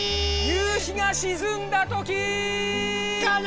夕日が沈んだときー！